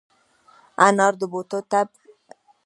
انار د بوټو طب یوه معجزه مېوه ده.